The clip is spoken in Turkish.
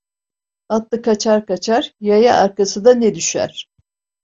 Atlı kaçar, kaçar; yaya arkasına ne düşer?